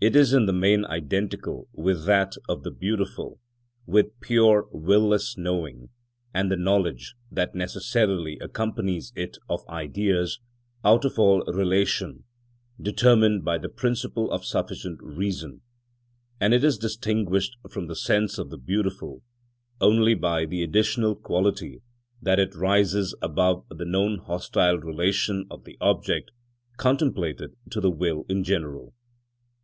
It is in the main identical with that of the beautiful, with pure will less knowing, and the knowledge, that necessarily accompanies it of Ideas out of all relation determined by the principle of sufficient reason, and it is distinguished from the sense of the beautiful only by the additional quality that it rises above the known hostile relation of the object contemplated to the will in general.